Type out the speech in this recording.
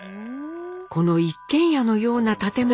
この一軒家のような建物が映画館。